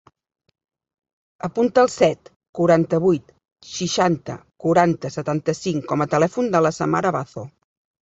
Apunta el set, quaranta-vuit, seixanta, quaranta, setanta-cinc com a telèfon de la Samara Bazo.